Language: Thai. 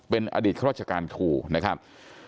เป็นอดีตข้าราชการครูนะครับ